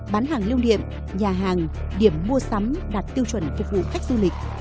bán hàng lưu niệm nhà hàng điểm mua sắm đạt tiêu chuẩn phục vụ khách du lịch